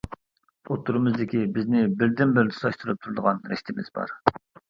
ئوتتۇرىمىزدىكى بىزنى بىردىنبىر تۇتاشتۇرۇپ تۇرىدىغان رىشتىمىز بار.